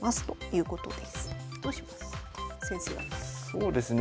そうですね